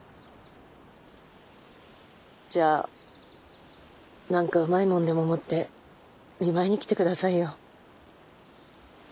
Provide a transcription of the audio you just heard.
じゃあ何かうまいもんでも持って見舞いに来て下さいよ。